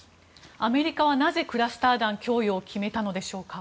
アメリカはなぜクラスター弾供与を決めたのでしょうか？